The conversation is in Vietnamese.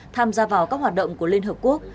tham gia vào các hoạt động của liên hợp quốc